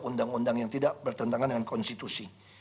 untuk mengatasi undang undang yang tidak bertentangan dengan konstitusi